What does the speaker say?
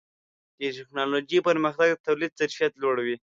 د ټکنالوجۍ پرمختګ د تولید ظرفیت لوړوي.